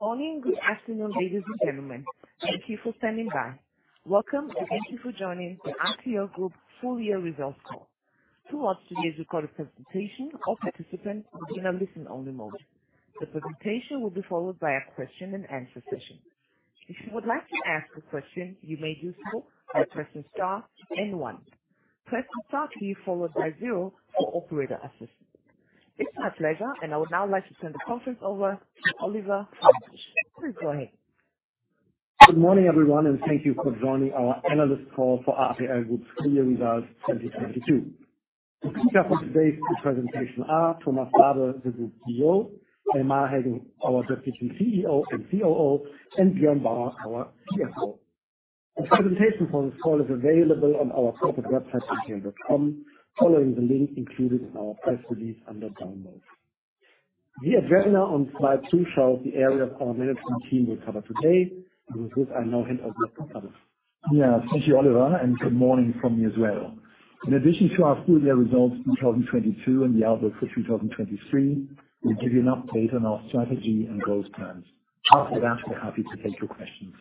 Morning. Good afternoon, ladies and gentlemen. Thank you for standing by. Welcome. Thank you for joining the RTL Group full year results call. Throughout today's recorded presentation, all participants will be in a listen-only mode. The presentation will be followed by a question-and-answer session. If you would like to ask a question, you may do so by pressing star then one. Press the star key followed by zero for operator assistance. It's my pleasure. I would now like to turn the conference over to Oliver Fahlbusch. Please go ahead. Good morning, everyone, and thank you for joining our analyst call for RTL Group's full year results 2022. The speakers for today's presentation are Thomas Rabe, the Group CEO, Elmar Heggen, our Deputy CEO and COO, and Björn Bauer, our CFO. The presentation for this call is available on our corporate website, rtl.com, following the link included in our press release under Download. The agenda on slide two shows the areas our management team will cover today. With this, I now hand over to Thomas. Yeah. Thank you, Oliver, good morning from me as well. In addition to our full year results in 2022 and the outlook for 2023, we'll give you an update on our strategy and growth plans. After that, we're happy to take your questions.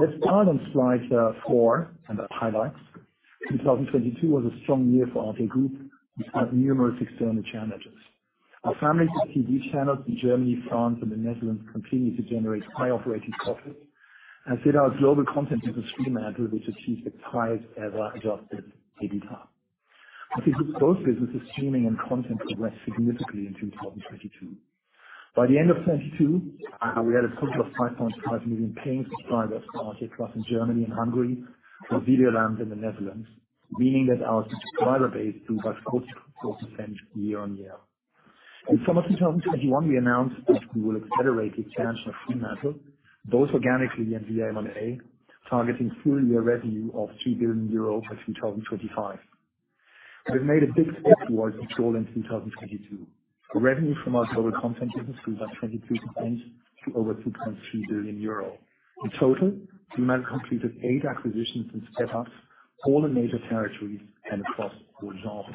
Let's start on slide four under Highlights. 2022 was a strong year for RTL Group despite numerous external challenges. Our family of TV channels in Germany, France, and the Netherlands continued to generate high operating profit. As did our global content business, Fremantle, which achieved its highest ever adjusted EBITDA. I think both businesses, streaming and content, progressed significantly in 2022. By the end of 2022, we had a total of 5.5 million paying subscribers to RTL+ in Germany and Hungary, Videoland in the Netherlands, meaning that our subscriber base grew by 40% year-on-year. In summer 2021, we announced that we will accelerate the expansion of Fremantle, both organically and via M&A, targeting full year revenue of 3 billion euro by 2025. We've made a big step towards this goal in 2022. Our revenue from our global content business grew by 23% to over 2.3 billion euro. In total, Fremantle completed eight acquisitions and step-ups, all in major territories and across all genres.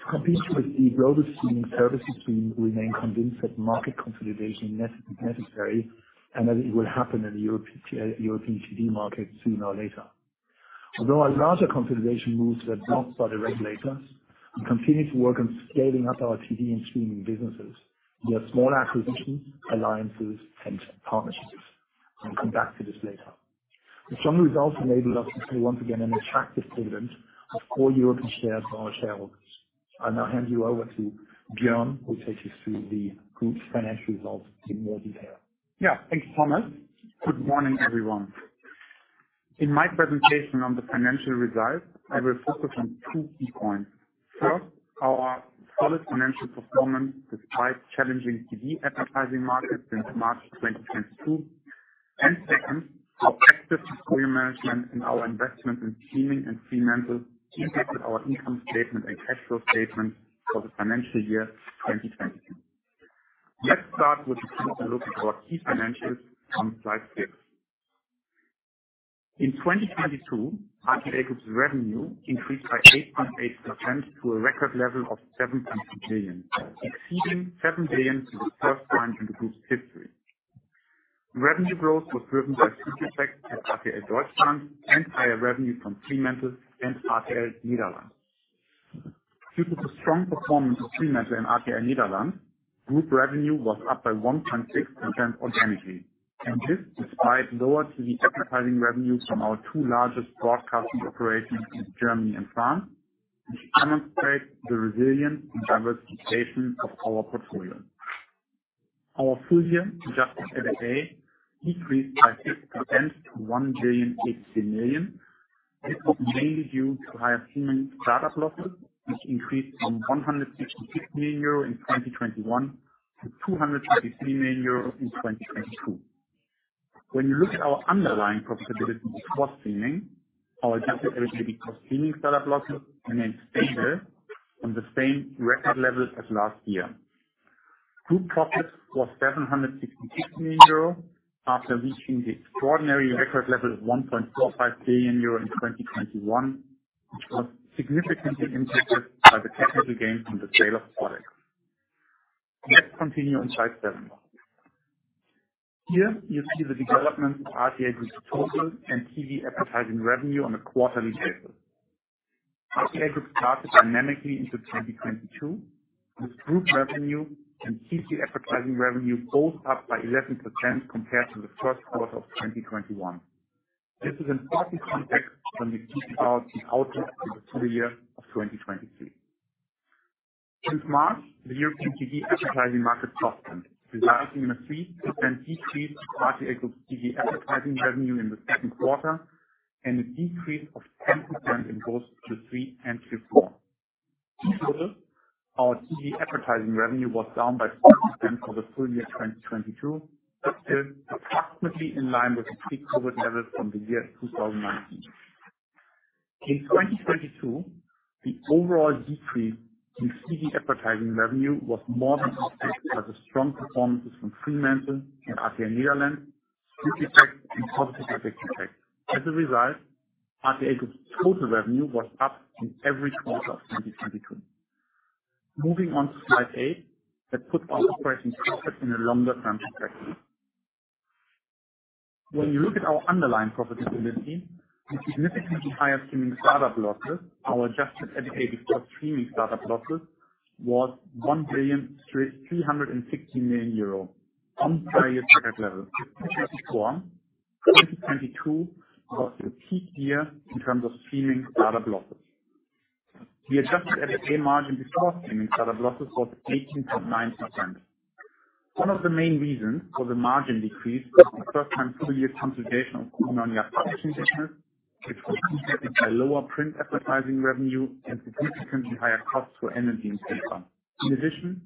To compete with the broader streaming services, we remain convinced that market consolidation is necessary and that it will happen in the European TV market sooner or later. Although our larger consolidation moves were blocked by the regulator, we continue to work on scaling up our TV and streaming businesses via small acquisitions, alliances, and partnerships. I'll come back to this later. The strong results enabled us to pay once again an attractive dividend of 4 EUR shares to our shareholders. I now hand you over to Björn, who will take you through the Group's financial results in more detail. Yeah. Thanks, Thomas. Good morning, everyone. In my presentation on the financial results, I will focus on two key points. First, our solid financial performance despite challenging TV advertising markets since March 2022. Second, our active portfolio management and our investment in streaming and Fremantle impacted our income statement and cash flow statement for the financial year 2022. Let's start with a quick look at our key financials on slide six. In 2022, RTL Group's revenue increased by 8.8% to a record level of 7.2 billion, exceeding 7 billion for the first time in the group's history. Revenue growth was driven by Streaming at RTL Deutschland and higher revenue from Fremantle and RTL Nederland. Due to the strong performance of Fremantle and RTL Nederland, group revenue was up by 1.6% organically, and this despite lower TV advertising revenue from our two largest broadcasting operations in Germany and France, which demonstrates the resilience and diversification of our portfolio. Our full year adjusted EBITDA increased by 6% to 1.08 billion. This was mainly due to higher streaming startup losses, which increased from 166 million euro in 2021 to 223 million euro in 2022. When you look at our underlying profitability before streaming, our adjusted EBITDA before streaming startup losses remained stable on the same record level as last year. Group profit was 766 million euro after reaching the extraordinary record level of 1.45 billion euro in 2021, which was significantly impacted by the technical gain from the sale of SpotX. Let's continue on slide seven. Here you see the development of RTL Group's total and TV advertising revenue on a quarterly basis. RTL Group started dynamically into 2022, with group revenue and TV advertising revenue both up by 11% compared to the first quarter of 2021. This is an important context when we speak about the outlook for the full year of 2023. Since March, the European TV advertising market softened, resulting in a 3% decrease to RTL Group's TV advertising revenue in the second quarter and a decrease of 10% in both Q3 and Q4. In total, our TV advertising revenue was down by 4% for the full year 2022, still approximately in line with the pre-COVID levels from the year 2019. In 2022, the overall decrease in TV advertising revenue was more than offset by the strong performances from Fremantle and RTL Nederland, StreamElements, and positive FX effects. RTL Group's total revenue was up in every quarter of 2022. Moving on to slide eight, that puts our operating profit in a longer-term perspective. When you look at our underlying profitability, the significantly higher streaming startup losses, our adjusted EBITDA before streaming startup losses was 1.36 billion on prior year target level. 2021, 2022 was the peak year in terms of streaming startup losses. The adjusted EBITDA margin before streaming startup losses was 18.9%. One of the main reasons for the margin decrease was the first-time full year consolidation of Gruner + Jahr Production business, which was impacted by lower print advertising revenue and significantly higher costs for energy and paper. In addition,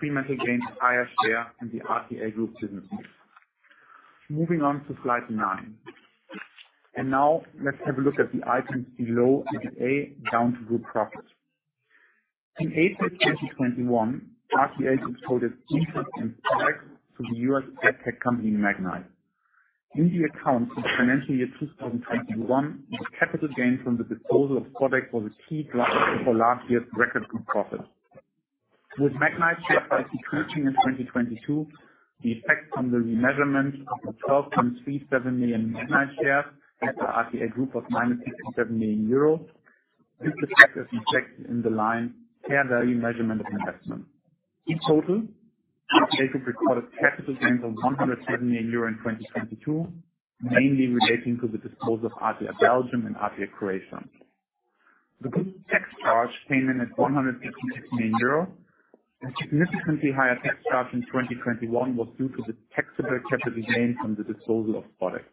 Fremantle gained higher share in the RTL Group businesses. Moving on to slide nine. Now let's have a look at the items below EBITDA down to group profit. In April 2021, RTL Group sold its interest in SpotX to the U.S. AdTech company, Magnite. In the accounts for financial year 2021, the capital gain from the disposal of SpotX was a key driver for last year's record group profit. With Magnite share price decreasing in 2022, the effect on the remeasurement of the 12.37 million Magnite shares at the RTL Group of -2.7 million euros. This effect is reflected in the line, fair value measurement of investment. In total, RTL Group recorded capital gains of 107 million euro in 2022, mainly relating to the disposal of RTL Belgium and RTL Croatia. The group tax charge came in at 156 million euro. The significantly higher tax charge in 2021 was due to the taxable capital gains from the disposal of SpotX.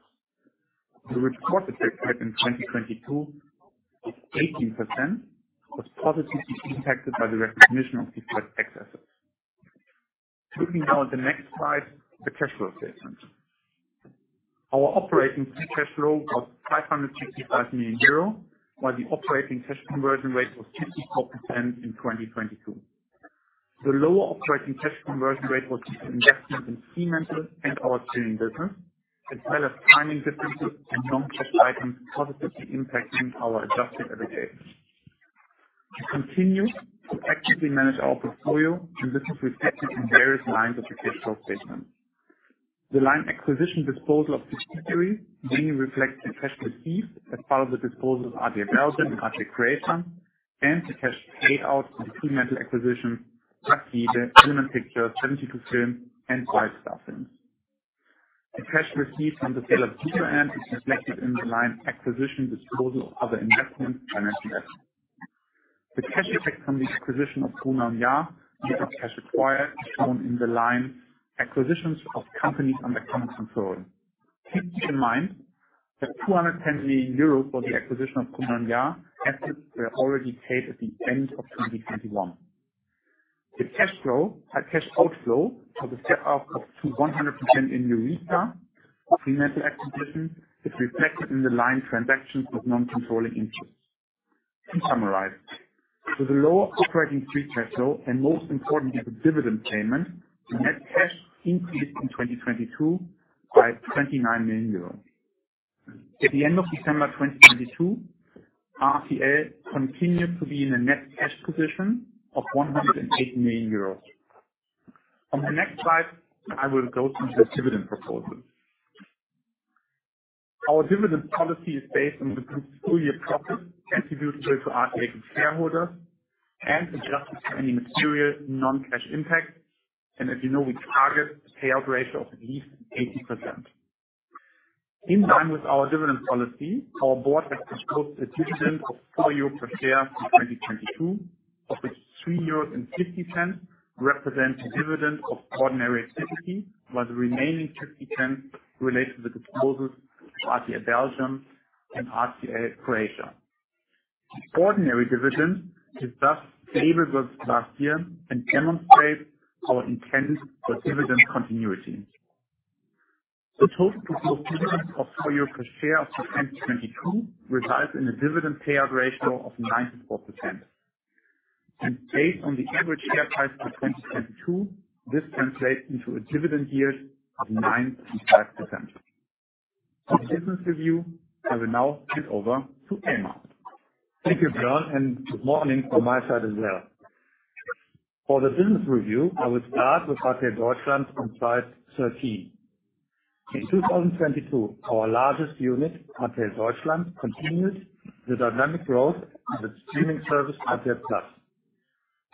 The reported tax rate in 2022 of 18% was positively impacted by the recognition of deferred tax assets. Looking now at the next slide, the cash flow statement. Our operating free cash flow was 565 million euro, while the operating cash conversion rate was 54% in 2022. The lower operating cash conversion rate was due to investment in Fremantle and our streaming business, as well as timing differences and non-cash items positively impacting our adjusted EBITDA. We continue to actively manage our portfolio. This is reflected in various lines of the cash flow statement. The line acquisition disposal of subsidiaries mainly reflects the cash received as part of the disposal of RTL Belgium, RTL Croatia, and the cash paid out in Fremantle acquisition, pictures. The Element Pictures, Seventy-two Films, and Wildstar Films. The cash received from the sale of Super RTL is reflected in the line acquisition disposal of other investments, financial assets. The cash effect from the acquisition of Gruner + Jahr, net of cash acquired, is shown in the line acquisitions of companies under common control. Keep in mind that 210 million euros for the acquisition of Gruner + Jahr were already paid at the end of 2021. The cash flow, cash outflow for the step-up of 200% in Nurita, Fremantle acquisition, is reflected in the line transactions with non-controlling interest. To summarize, with a lower operating free cash flow, and most importantly, the dividend payment, the net cash increased in 2022 by 29 million euros. At the end of December 2022, RTL Group continued to be in a net cash position of 108 million euros. On the next slide, I will go through the dividend proposal. Our dividend policy is based on the group's full year profit attributable to RTL Group shareholders and adjusted for any material non-cash impacts. As you know, we target a payout ratio of at least 80%. In line with our dividend policy, our board has proposed a dividend of 4 euro per share for 2022, of which 3.50 euros represent a dividend of ordinary activity, while the remaining 0.50 relate to the disposals of RTL Belgium and RTL Croatia. Ordinary dividend is thus favored with last year and demonstrates our intent for dividend continuity. The total proposed dividend of EUR 4 per share for 2022 results in a dividend payout ratio of 94%. Based on the average share price for 2022, this translates into a dividend yield of 9.5%. For the business review, I will now hand over to Elmar. Thank you, Björn, and good morning from my side as well. For the business review, I will start with RTL Deutschland on Slide 13. In 2022, our largest unit, RTL Deutschland, continued the dynamic growth of its streaming service, RTL+.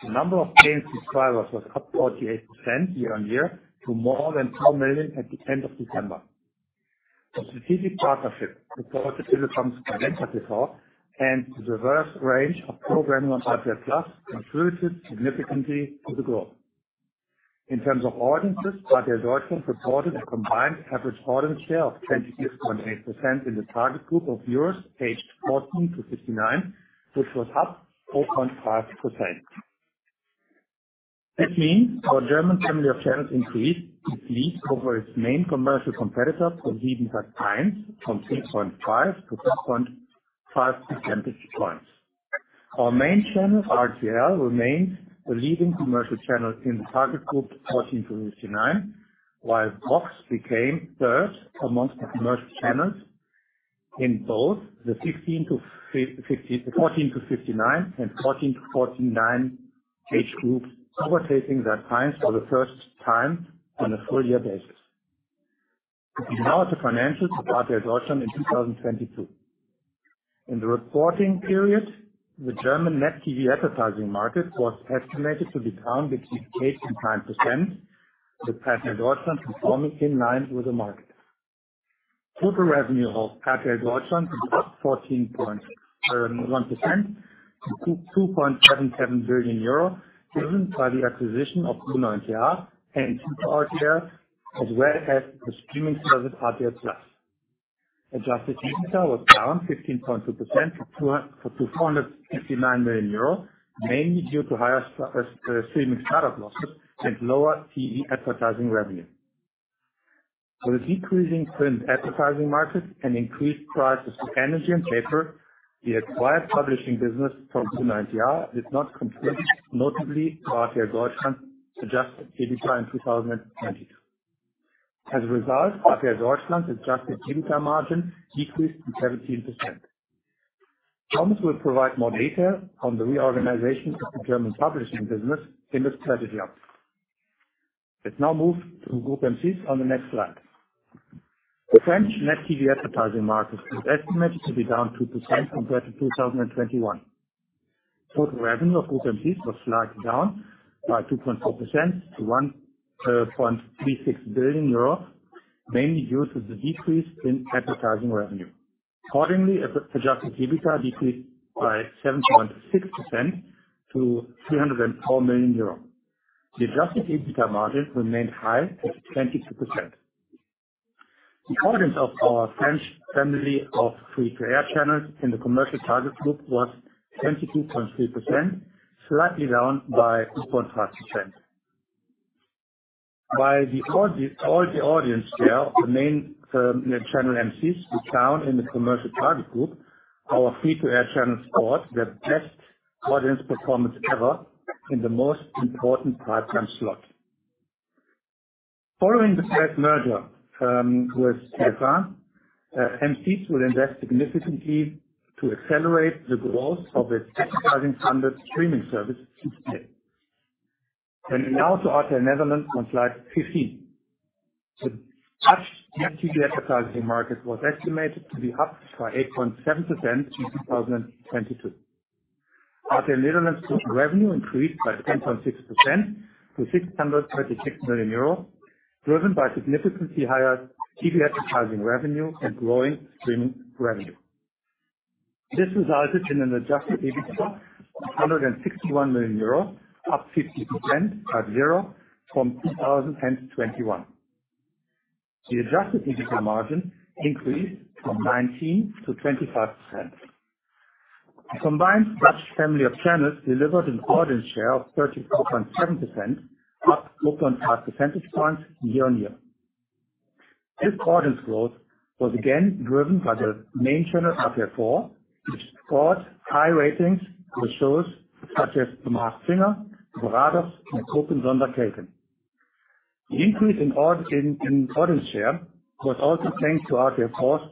The number of paying subscribers was up 48% year-on-year to more than 2 million at the end of December. The strategic partnership with Vodafone's GigaTV and the diverse range of programming on RTL+ contributed significantly to the growth. In terms of audiences, RTL Deutschland reported a combined average audience share of 26.8% in the target group of viewers aged 14 years-59 years, which was up 4.5%. That means our German family of channels increased its lead over its main commercial competitor, ProSiebenSat.1, from 6.5 percentage points-6.5 percentage points. Our main channel, RTL, remains the leading commercial channel in the target group 14 years-59 years, while VOX became third amongst commercial channels in both the 14 years-59 years and 14 years-49 years age groups, overtaking TF1 for the first time on a full year basis. Now to financials of RTL Deutschland in 2022. In the reporting period, the German net TV advertising market was estimated to be down between 8% and 10%, with RTL Deutschland performing in line with the market. Total revenue of RTL Deutschland was up 14.1% to 2.77 billion euro, driven by the acquisition of Gruner + Jahr and SuperRTL, as well as the streaming service, RTL+. Adjusted EBITDA was down 15.2% to 459 million euros, mainly due to higher streaming startup losses and lower TV advertising revenue. For the decreasing print advertising market and increased prices for energy and paper, the acquired publishing business from Gruner + Jahr did not contribute notably to RTL Deutschland's adjusted EBITDA in 2022. As a result, RTL Deutschland's adjusted EBITDA margin decreased to 17%. Thomas will provide more detail on the reorganization of the German publishing business in the strategy update. Let's now move to Group M6 on the next slide. The French net TV advertising market is estimated to be down 2% compared to 2021. Total revenue of Group M6 was slightly down by 2.4% to 1.36 billion euros, mainly due to the decrease in advertising revenue. Accordingly, adjusted EBITDA decreased by 7.6% to 304 million euros. The adjusted EBITDA margin remained high at 22%. The audience of our French family of free-to-air channels in the commercial target group was 22.3%, slightly down by 2.5%. By the audience share of the main channel M6 was down in the commercial target group, our free-to-air channel sports the best audience performance ever in the most important primetime slot. Following the planned merger with TF1, M6 will invest significantly to accelerate the growth of its advertising-funded streaming service, 6play. Turning now to RTL Netherlands on Slide 15. The Dutch net TV advertising market was estimated to be up by 8.7% in 2022. RTL Netherlands' total revenue increased by 10.6% to 636 million euros, driven by significantly higher TV advertising revenue and growing streaming revenue. This resulted in an adjusted EBITDA of 161 million euros, up 50% at zero from 2021. The adjusted EBITDA margin increased from 19% to 25%. The combined Dutch family of channels delivered an audience share of 34.7%, up 2.5 percentage points year-on-year. This audience growth was again driven by the main channel RTL 4, which scored high ratings with shows such as The Masked Singer, De Verraders, and Kopen Zonder Kijken. The increase in audience share was also thanks to RTL 4's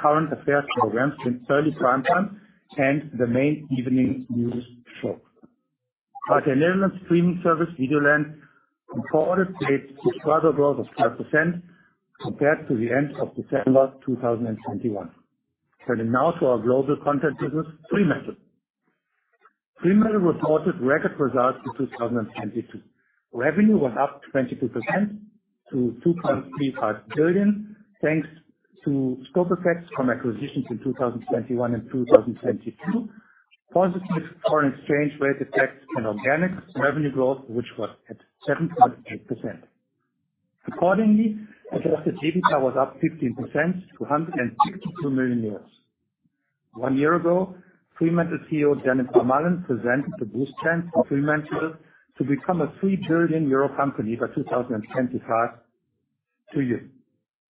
current affairs programs in early primetime and the main evening news show. RTL Nederland streaming service, Videoland, recorded a subscriber growth of 5% compared to the end of December 2021. Turning now to our global content business, Fremantle. Fremantle reported record results in 2022. Revenue was up 22% to 2.35 billion, thanks to scope effects from acquisitions in 2021 and 2022, positive foreign exchange rate effects, and organic revenue growth, which was at 7.8%. Accordingly, adjusted EBITDA was up 15% to 152 million euros. One year ago, Fremantle CEO, Jennifer Mullin, presented the boost plan for Fremantle to become a 3 billion euro company by 2025 to you.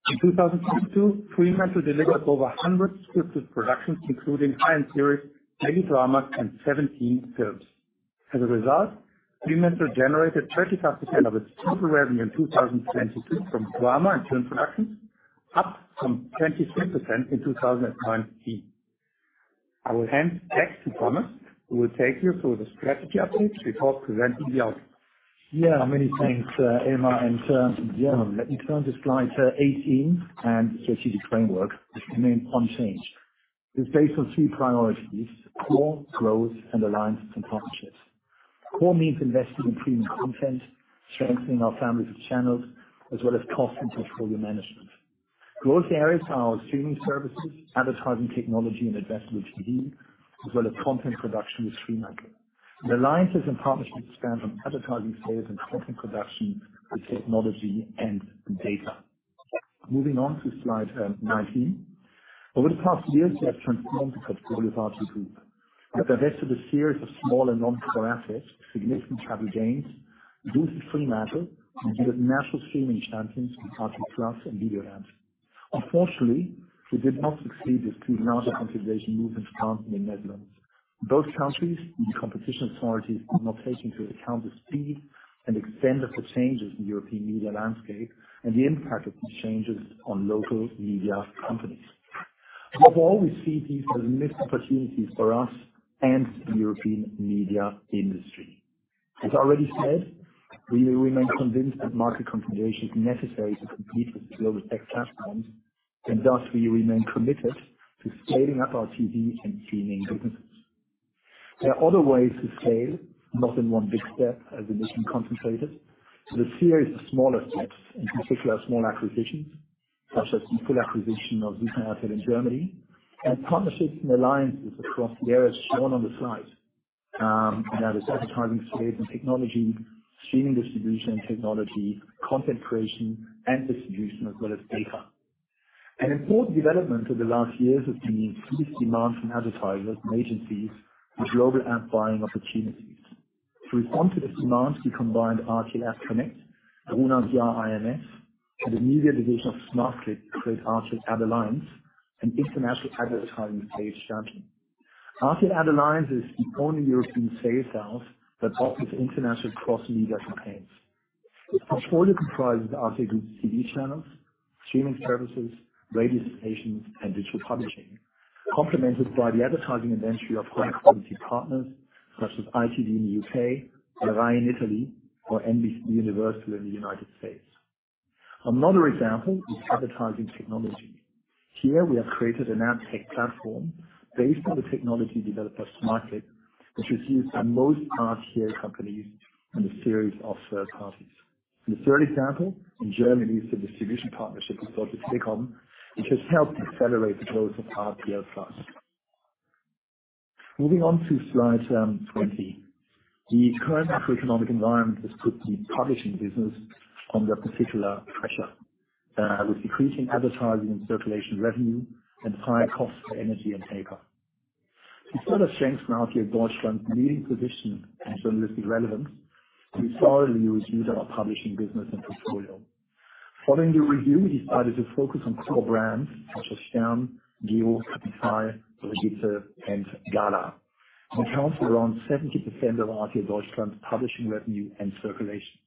In 2022, Fremantle delivered over 100 scripted productions, including high-end series, mega dramas, and 17 films. As a result, Fremantle generated 35% of its total revenue in 2022 from drama and film productions, up from 23% in 2019. I will hand back to Thomas, who will take you through the strategy updates before presenting the outlook. Many thanks, Elmar, let me turn to Slide 18 and strategic framework, which remains unchanged. It's based on three priorities: core, growth, and alliances and partnerships. Core means investing in premium content, strengthening our families of channels, as well as cost and portfolio management. Growth areas are our streaming services, advertising technology, and Addressable TV, as well as content production with Fremantle. The alliances and partnerships span from advertising sales and content production to technology and data. Moving on to Slide 19. Over the past years, we have transformed the portfolio of RTL Group. We've divested a series of small and non-core assets for significant value gains, boosted Fremantle, and built national streaming champions with RTL+ and Videoland. Unfortunately, we did not succeed with two larger consolidation movements planned in the Netherlands. In both countries, the competition authorities did not take into account the speed and extent of the changes in European media landscape and the impact of these changes on local media companies. Overall, we see these as missed opportunities for us and the European media industry. We will remain convinced that market consolidation is necessary to compete with global tech platforms, and thus we remain committed to scaling up our TV and streaming businesses. There are other ways to scale, not in one big step as in mission contemplated, but a series of smaller steps, in particular small acquisitions, such as the full acquisition of in Germany and partnerships and alliances across the areas shown on the slide, and that is advertising space and technology, streaming distribution technology, content creation and distribution, as well as data. An important development over the last years has been increased demand from advertisers and agencies with global ad buying opportunities. To respond to this demand, we combined RTL AdConnect, Gruner + Jahr i|MS, and the media division of Smartclip to create RTL AdAlliance, an international advertising sales champion. RTL AdAlliance is the only European sales house that offers international cross-media campaigns. Its portfolio comprises RTL Group's TV channels, streaming services, radio stations, and digital publishing, complemented by the advertising inventory of high-quality partners such as ITV in the U.K., RAI in Italy, or NBCUniversal in the U.S. Another example is advertising technology. Here we have created an AdTech platform based on the technology developed at Smartclip, which is used by most RTL companies and a series of third parties. The third example in Germany is the distribution partnership we built with TicCom, which has helped accelerate the growth of RTL+. Moving on to Slide 20. The current macroeconomic environment has put the publishing business under particular pressure, with decreasing advertising and circulation revenue and higher costs for energy and paper. To further strength RTL Deutschland's leading position and journalistic relevance, we thoroughly reviewed our publishing business and portfolio. Following the review, we decided to focus on core brands such as Stern, Geo, Capital, Brigitte, and Gala, which account for around 70% of RTL Deutschland's publishing revenue and circulation.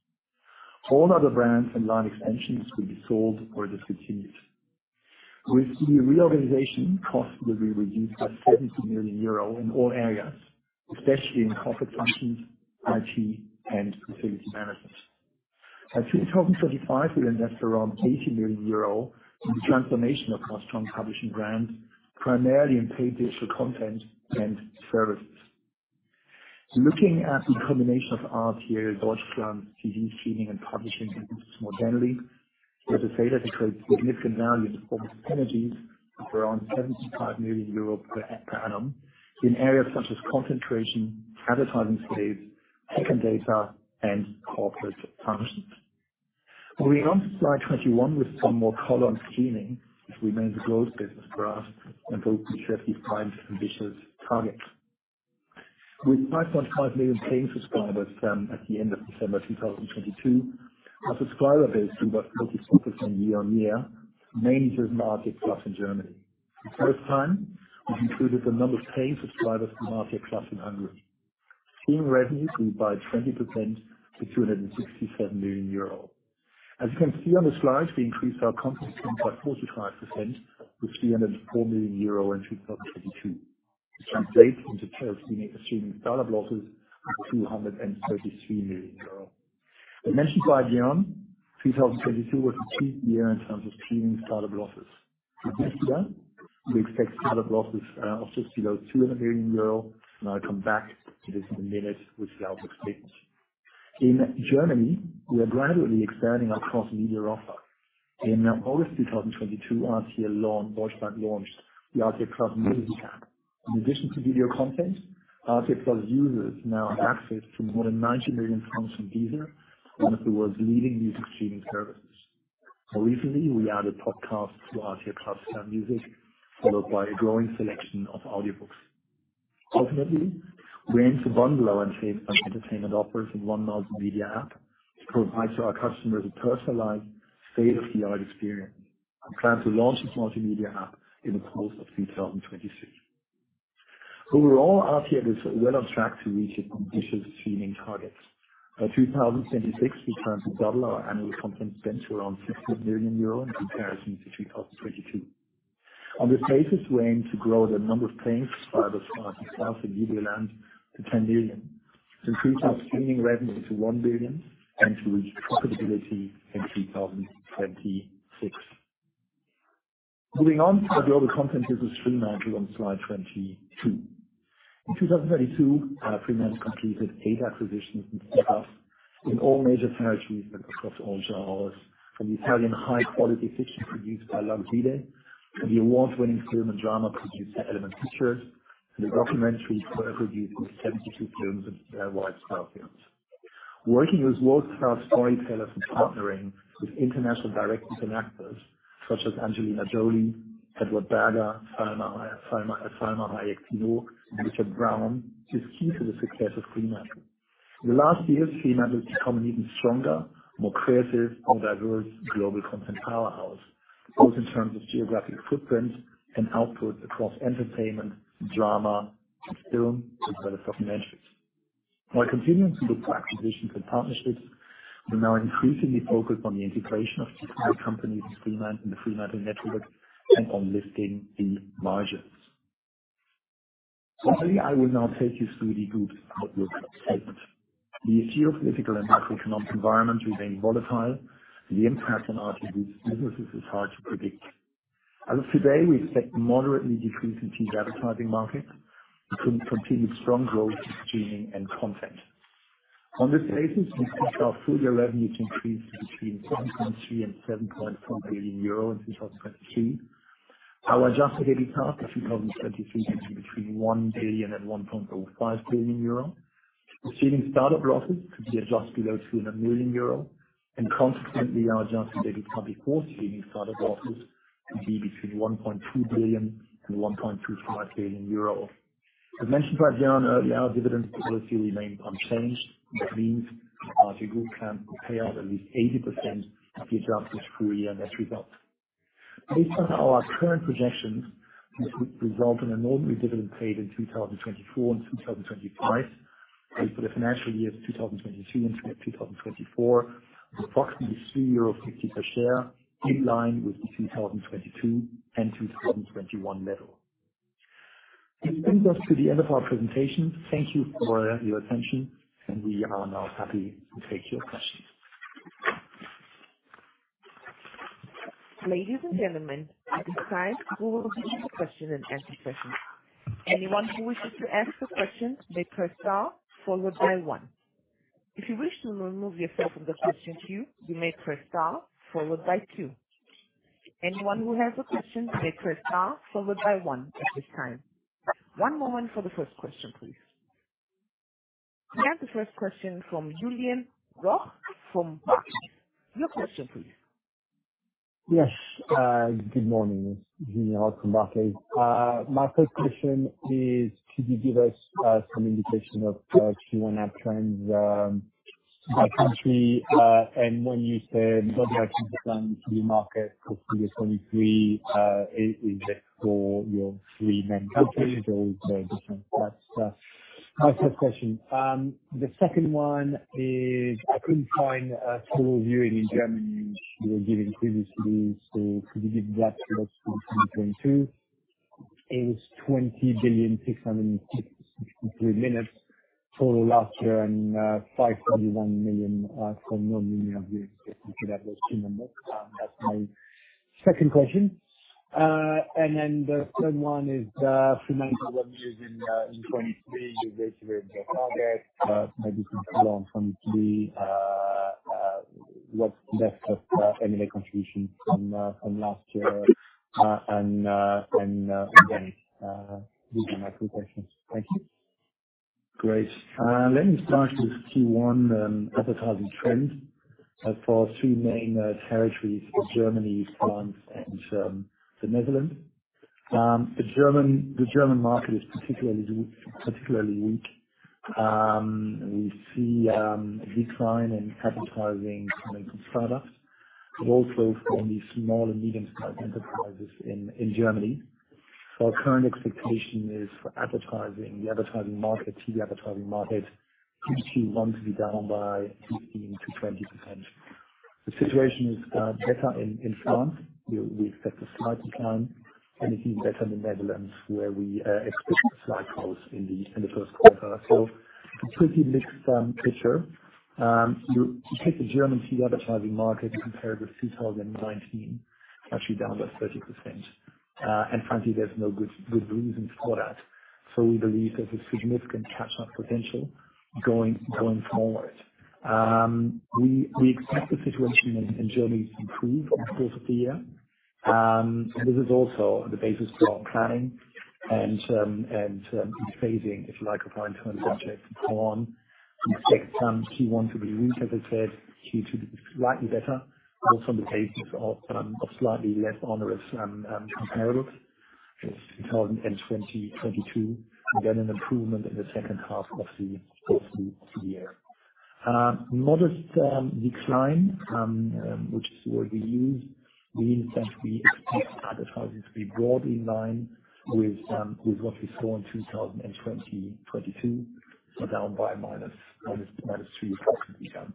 All other brands and line extensions will be sold or discontinued. With the reorganization, costs will be reduced by 70 million euro in all areas, especially in corporate functions, IT, and facility management. By 2025, we'll invest around 80 million euro in the transformation of our strong publishing brands, primarily in paid digital content and services. Looking at the combination of RTL Deutschland's TV, streaming, and publishing businesses more generally, there's a data that creates significant value in the form of synergies of around 75 million euro per annum in areas such as content creation, advertising space, second data, and corporate functions. Moving on to Slide 21 with some more color on streaming, which remains a growth business for us and where we set these prime ambitious targets. With 5.5 million paying subscribers, at the end of December 2022, our subscriber base grew by 32% year-on-year, mainly through RTL+ in Germany. For the first time, we've included the number of paying subscribers to RTL+ in Hungary. Streaming revenue grew by 20% to 267 million euros. As you can see on the slide, we increased our content spend by 45% to 304 million euros in 2022, which translates into streaming startup losses of 233 million euros. As mentioned by Björn, 2022 was a peak year in terms of streaming startup losses. This year we expect startup losses of just below 200 million euro, and I'll come back to this in a minute with our expectations. In Germany, we are gradually expanding our cross-media offer. In August 2022, RTL Deutschland launched the RTL+ Music app. In addition to video content, RTL+ users now have access to more than 90 million songs from Deezer, one of the world's leading music streaming services. More recently, we added podcasts to RTL+ Musik, followed by a growing selection of audiobooks. Ultimately, we aim to bundle our entertainment offers in one multimedia app to provide to our customers a personalized state-of-the-art experience. We plan to launch this multimedia app in the course of 2026. Overall, RTL is well on track to reach its ambitious streaming targets. By 2026, we plan to double our annual content spend to around 600 million euro in comparison to 2022. On this basis, we aim to grow the number of paying subscribers across the RTL+ and Videoland to 10 million, increase our streaming revenue to 1 billion, and to reach profitability in 2026. Moving on to the global content business, Fremantle, on Slide 22. In 2022, Fremantle completed eight acquisitions and pickups in all major territories and across all genres, from the Italian high-quality fiction produced by Lux Vide, the award-winning German drama produced by Element Pictures, and the documentaries were produced with Seventy-two Films of Wildstar Films. Working with world-class storytellers and partnering with international directors and actors such as Angelina Jolie, Edward Berger, Salma Hayek Pinault, and Richard Brown is key to the success of Fremantle. In the last years, Fremantle has become an even stronger, more creative and diverse global content powerhouse, both in terms of geographic footprint and output across entertainment, drama, film as well as documentaries. While continuing to look for acquisitions and partnerships, we're now increasingly focused on the integration of TV companies, Fremantle, in the Fremantle network and on lifting the margins. Today I will now take you through the group's outlook statement. The geopolitical and macroeconomic environment remain volatile, and the impact on our group's businesses is hard to predict. As of today, we expect moderately decrease in key advertising market and continued strong growth in streaming and content. On this basis, we expect our full year revenue to increase between 0.13 billion and 7.4 billion euro in 2023. Our adjusted EBITDA for 2023 to be between 1 billion and 1.05 billion euro. RTL+ startup losses to be just below 200 million euro and consequently our Adjusted EBITDA before RTL+ startup losses to be between 1.2 billion and 1.25 billion euro. As mentioned by John earlier, our dividend policy remained unchanged, which means the group can pay out at least 80% of the adjusted full year net results. Based on our current projections, this would result in a normal dividend paid in 2024 and 2025. For the financial years 2022 and 2024, approximately 3.50 euro per share, in line with the 2022 and 2021 level. This brings us to the end of our presentation. Thank you for your attention, and we are now happy to take your questions. Ladies and gentlemen, at this time we will begin the question-and-answer session. Anyone who wishes to ask a question may press star followed by one. If you wish to remove yourself from the question queue, you may press star followed by two. Anyone who has a question may press star followed by one at this time. one moment for the first question, please. We have the first question from Julien Roch from Barclays. Your question please. Yes. Good morning. It's Julien Roch from Barclays. My first question is, could you give us some indication of Q1 ad trends by country? And when you said double-digit plans for new market for 2023, is it for your three main countries or different parts? That's the first question. The second one is I couldn't find a total viewing in Germany, which you were giving previously. Could you give that for us for 2022? It was 20 billion 663 minutes total last year and 541 million for non-linear views, if you could have those two numbers. That's my second question. And then the third one is Fremantle revenues in 2023. You raised your target, maybe perform from the, what's left of M&A contribution from last year. Again, these are my three questions. Thank you. Great. Let me start with Q1 advertising trends for our three main territories, Germany, France and the Netherlands. The German market is particularly weak. We see a decline in advertising coming from products, but also from the small and medium-sized enterprises in Germany. Our current expectation is for advertising, the advertising market, TV advertising market, Q1 to be down by 15%-20%. The situation is better in France. We expect a slight decline and looking better in the Netherlands, where we expect slight growth in the first quarter. A completely mixed picture. You take the German TV advertising market compared with 2019, it's actually down by 30%. Frankly, there's no good reasons for that. We believe there's a significant catch-up potential going forward. We expect the situation in Germany to improve over the course of the year. This is also the basis for our planning and phasing, if you like, our financial subjects going on. We expect Q1 to be weak, as I said, Q2 to be slightly better, also on the basis of a slightly less onerous comparable as 2022, and then an improvement in the second half of the year. Modest decline, which is the word we use, means that we expect advertising to be broadly in line with what we saw in 2022, down by -3%.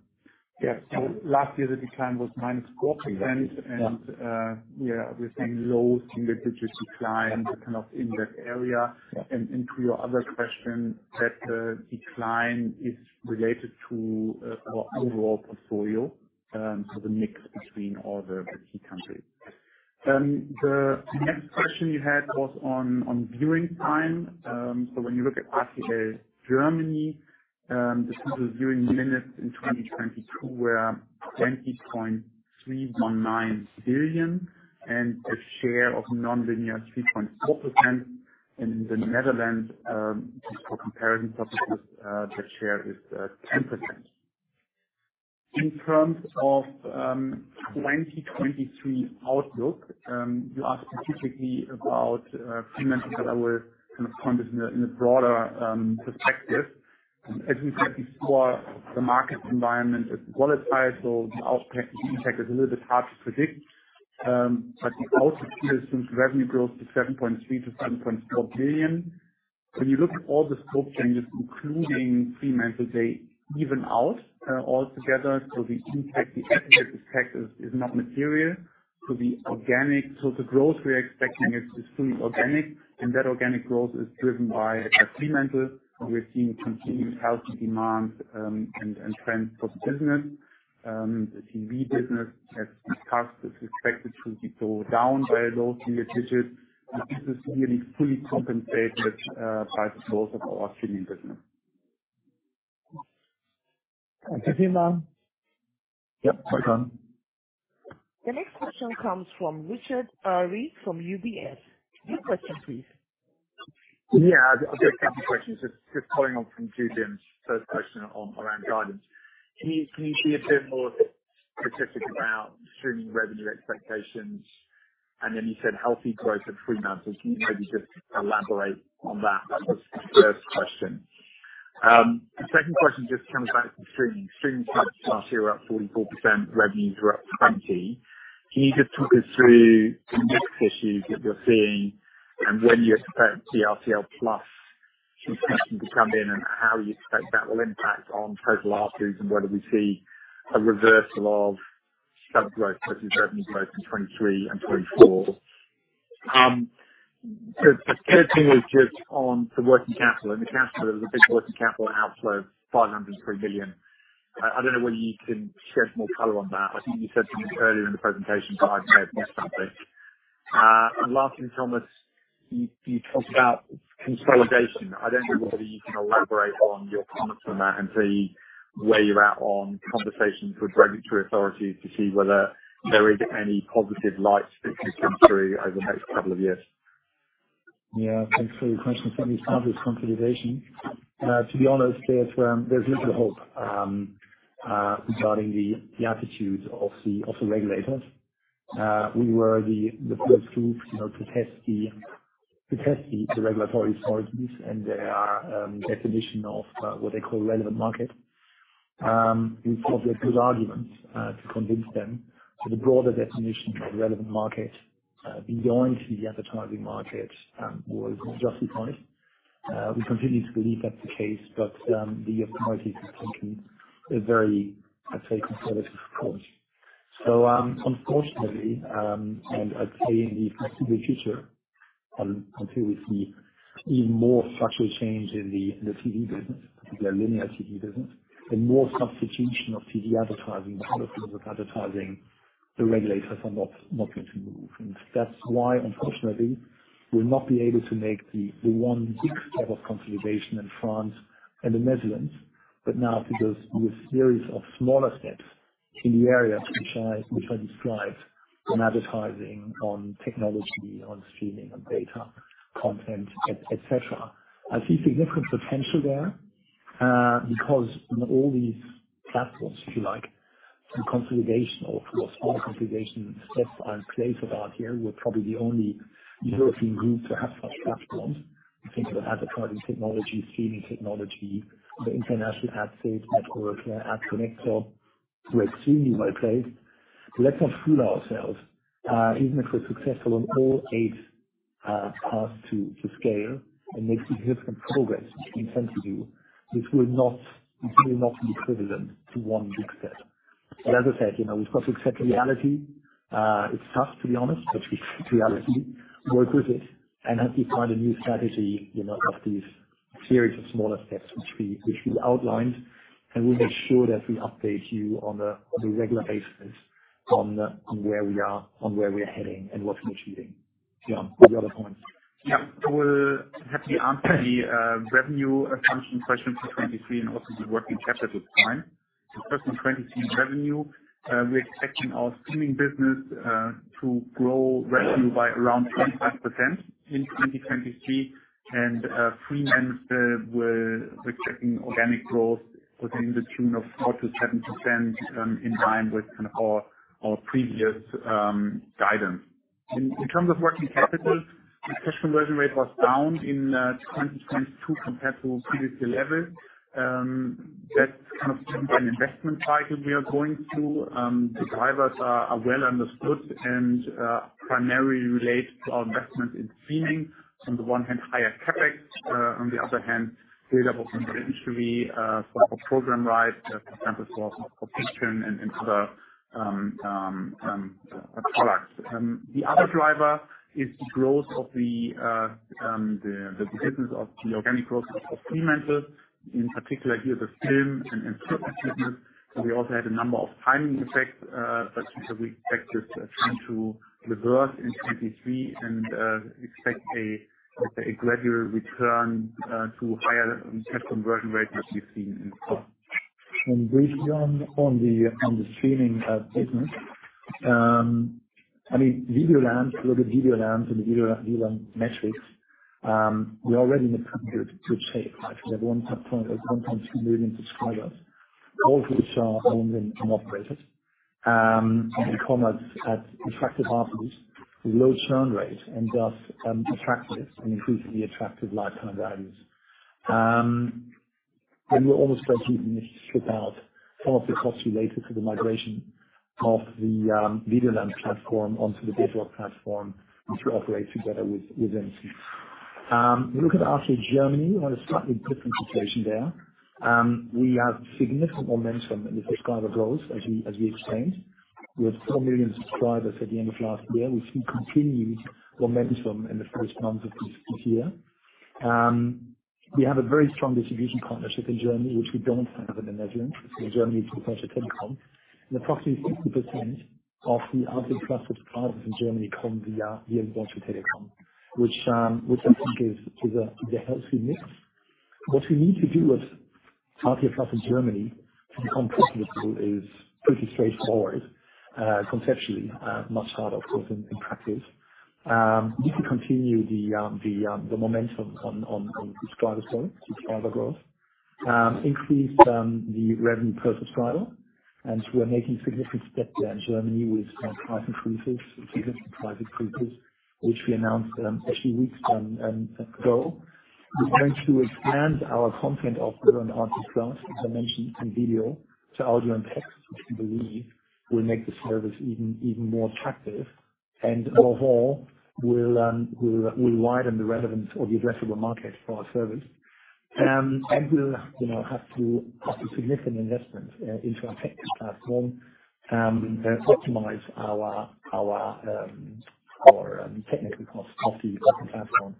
Yeah. Last year the decline was minus 4%. Exactly, yeah. Yeah, we're seeing low single digits decline kind of in that area. Yeah. To your other question that decline is related to our overall portfolio, so the mix between all the key countries. The next question you had was on viewing time. When you look at RTL Deutschland, the total viewing minutes in 2022 were 20.319 billion and a share of non-linear 3.4%. In the Netherlands, just for comparison purposes, that share is 10%. In terms of 2023 outlook, you asked specifically about Fremantle that I will kind of point this in a broader perspective. As we said before, the market environment is volatile, the out inaudible impact is a little bit hard to predict. We also see revenue growth to 7.3 billion-7.4 billion. When you look at all the scope changes including Fremantle, they even out all together. The impact, the impact is not material to the organic. The growth we're expecting is fully organic, and that organic growth is driven by Fremantle. We're seeing continued healthy demand, and trend for business. The TV business, as discussed, is expected to be slow down by low single digits. This is really fully compensated by the growth of our streaming business. Thank you, Jan. Yep, welcome. The next question comes from Richard Eary from UBS. Your question, please. Yeah, I've just a couple questions. Just following on from Julien's first question on, around guidance. Can you be a bit more specific about streaming revenue expectations? Then you said healthy growth of Fremantle. Can you maybe just elaborate on that? That was the first question. The second question just comes back to streaming. Streaming subs last year were up 44%, revenues were up 20%. Can you just talk us through the mix issues that you're seeing and when you expect RTL+ subscription to come in, and how you expect that will impact on total ARPU and whether we see a reversal of sub growth versus revenue growth in 2023 and 2024? The third thing is just on the working capital. In the capital, there was a big working capital outflow of 503 billion. I don't know whether you can shed more color on that. I think you said something earlier in the presentation, but I've made most of it. Lastly, Thomas, you talked about consolidation. I don't know whether you can elaborate on your comments on that and the way you're at on conversations with regulatory authorities to see whether there is any positive light that could come through over the next couple of years. Yeah, thanks for your question. Let me start with consolidation. To be honest, there's little hope regarding the attitude of the regulators. We were the first group, you know, to test the regulatory authorities and their definition of what they call relevant market. We thought we had good arguments to convince them. The broader definition of relevant market, beyond the advertising market, was justified. We continue to believe that's the case, but the authorities have taken a very, let's say, conservative approach. Unfortunately, and I'd say in the foreseeable future, until we see even more structural change in the TV business, the linear TV business, and more substitution of TV advertising with other forms of advertising, the regulators are not going to move. That's why, unfortunately, we'll not be able to make the one big step of consolidation in France and the Netherlands, but now it goes with series of smaller steps in the areas which I described on advertising, on technology, on streaming, on data, content, et cetera. I see significant potential there, because on all these platforms, if you like, the consolidation of what small consolidation steps are in place about here, we're probably the only European group to have such platforms. You think about advertising technology, streaming technology, the international ad safe network, RTL AdConnect. We're extremely well-placed. Let's not fool ourselves. Even if we're successful on all eight, paths to scale and make significant progress in front of you, which will not be equivalent to one big step. As I said, you know, we've got to accept reality. It's tough, to be honest, we accept reality, work with it, and help you find a new strategy, you know, of these series of smaller steps which we outlined, and we'll make sure that we update you on a regular basis on where we are, on where we are heading and what we're achieving. Jan, all the other points. We'll happily answer the revenue assumption question for 2023 and also the working capital time. The first one, 2023 revenue, we're expecting our streaming business to grow revenue by around 25% in 2023. Fremantle we're checking organic growth within the tune of 4%-7% in line with kind of our previous guidance. In terms of working capital, the cash conversion rate was down in 2022 compared to previous year levels. That's kind of driven by an investment cycle we are going through. The drivers are well understood and primarily relate to our investment in streaming. On the one hand, higher CapEx, on the other hand, build up of inventory for our program rights, for example, for fiction and other products. The other driver is the growth of the business of the organic growth of Fremantle, in particular here the film and improvement business. We also had a number of timing effects that we expect just tend to reverse in 2023 and expect a gradual return to higher cash conversion rate that we've seen in the past. Briefly, on the streaming business, I mean, Videoland, look at Videoland and the Videoland metrics. We already in a pretty good shape, right? We have 1.2 million subscribers, all of which are owned and operated, at attractive with low churn rates and thus, attractive and increasing the attractive lifetime values. We're almost going to even strip out some of the costs related to the migration of the Videoland platform onto the platform, which will operate together with MTV. Look at RTL Deutschland, we have a slightly different situation there. We have significant momentum in the subscriber growth as we explained. We have 4 million subscribers at the end of last year. We've seen continued momentum in the first months of this year. We have a very strong distribution partnership in Germany, which we don't have in the Netherlands. In Germany, it's with Deutsche Telekom. Approximately 50% of the RTL+ subscribers in Germany come via Deutsche Telekom, which I think is a healthy mix. What we need to do with RTL+ in Germany to become profitable is pretty straightforward, conceptually, much harder, of course, in practice. We need to continue the momentum on subscriber growth. Increase the revenue per subscriber. We're making significant steps there in Germany with price increases, significant price increases, which we announced a few weeks ago. We're going to expand our content offer on RTL+, as I mentioned, from video to audio and text, which we believe will make the service even more attractive. Overall will widen the relevance or the addressable market for our service. And we'll, you know, have to put a significant investment into our technical platform, optimize our technical cost of the platform.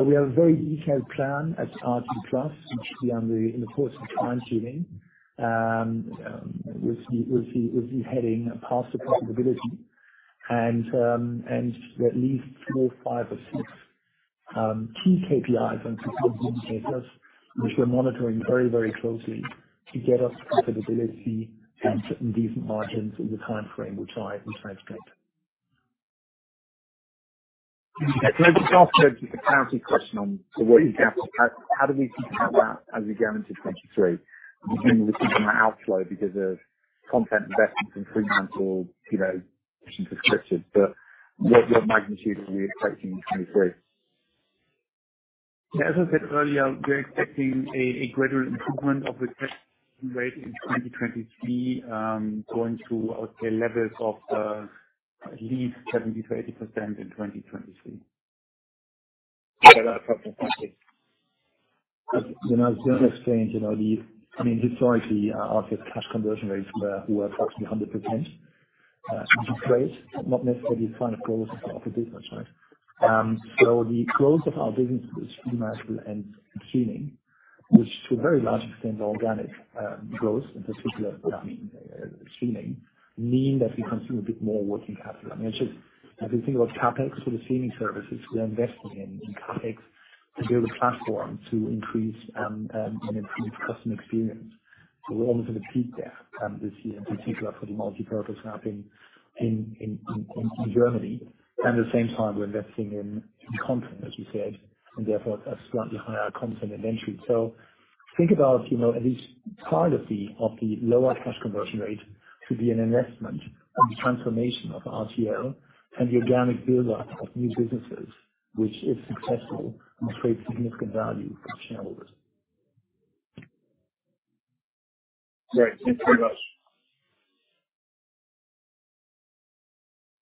We have a very detailed plan at RTL+, which we are in the course of fine-tuning with the heading pass the profitability and at least four or five or six key KPIs and key performance indicators, which we're monitoring very, very closely to get us to profitability and certain decent margins in the timeframe which I described. Can I just ask a clarity question on so what you have? How do we think about as we go into 2023 between the outflow because of content investments in three months or, you know, subscriptions, what magnitude are we expecting in 2023? As I said earlier, we're expecting a gradual improvement of the cash conversion rate in 2023, going to, I would say, levels of at least 70%-80% in 2023. Okay. That's perfect. Thank you. As, you know, as Jean explained, you know. I mean, historically our cash conversion rates were approximately 100%, which is great, but not necessarily the kind of growth of the business, right? The growth of our businesses, streaming and teaming, which to a very large extent are organic growth, in particular streaming, mean that we consume a bit more working capital. I mean, it's just as we think about CapEx for the teaming services, we are investing in CapEx to build a platform to increase and improve customer experience. We're almost at a peak there this year in particular for the multipurpose app in Germany. At the same time we're investing in content as you said, and therefore a slightly higher content inventory. Think about, you know, at least part of the lower cash conversion rate to be an investment in the transformation of RTL and the organic buildup of new businesses, which if successful will create significant value for shareholders. Great. Thanks very much.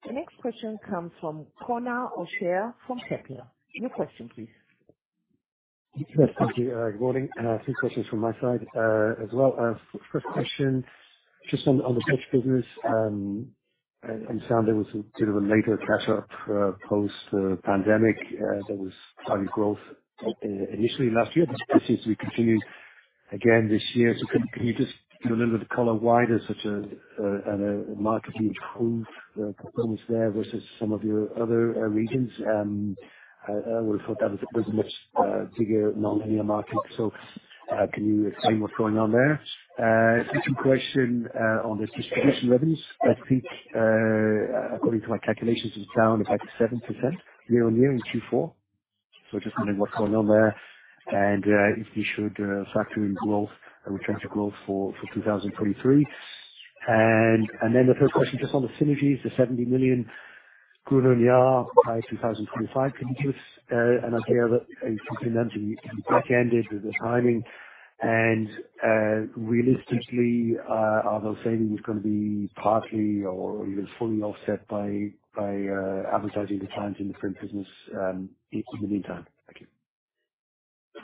The next question comes from Conor O'Shea from Kepler. Your question please. Yes, thank you. Good morning. A few questions from my side as well. First question, just on the French business. Understanding there was a bit of a later catch-up post pandemic. There was strong growth initially last year. This seems to be continued again this year. Can you just give a little bit of color why there's such a markedly improved performance there versus some of your other regions? I would've thought that was a much bigger non-linear market. Can you explain what's going on there? Second question, on the distribution revenues. I think, according to my calculations, it's down about 7% year-on-year in Q4. Just wondering what's going on there and if we should factor in growth, return to growth for 2023. Then the third question just on the synergies, the 70 million run rate by 2025. Can you give us an idea of if you think that'll be backended with the timing? Realistically, are those savings gonna be partly or even fully offset by advertising declines in the print business in the meantime? Thank you.